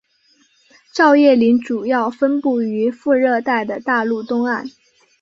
照叶林主要分布于副热带的大陆东岸。